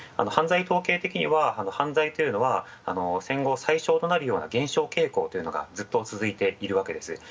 犯罪統計的には、犯罪というのは、戦後最小となるような減少傾向がずっと続いているわけです。